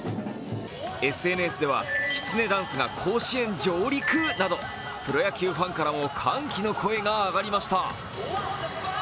ＳＮＳではきつねダンスが甲子園上陸など、プロ野球ファンからも歓喜の声が上がりました。